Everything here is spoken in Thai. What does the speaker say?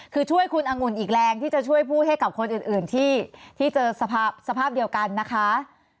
คือช่วยคุณอังุ่นอีกแรงที่จะช่วยพูดให้กับคนอื่นที่เจอสภาพเดียวกันนะคะ